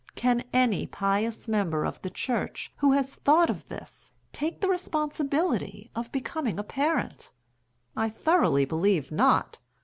Can any pious member of the Church who has thought of this take the responsibility of becoming a parent? I thoroughly believe not.